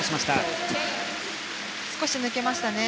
少し抜けましたね。